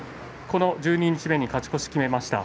この十二日目に勝ち越しを決めました。